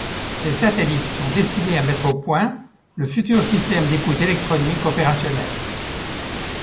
Ces satellites sont destinés à mettre au point le futur système d'écoute électronique opérationnel.